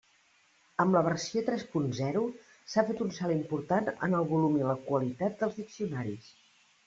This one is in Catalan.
Amb la versió tres punt zero, s'ha fet un salt important en el volum i la qualitat dels diccionaris.